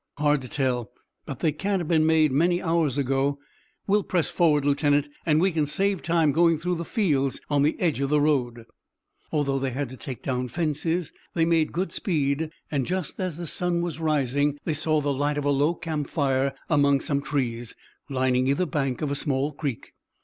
"Hard to tell, but they can't have been made many hours ago. We'll press forward, lieutenant, and we can save time going through the fields on the edge of the road." Although they had to take down fences they made good speed and just as the sun was rising they saw the light of a low campfire among some trees, lining either bank of a small creek.